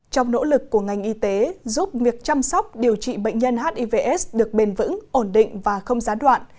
trong nỗ lực của ngành y tế giúp việc chăm sóc điều trị bệnh nhân hiv s được bền vững ổn định và không giá đoạn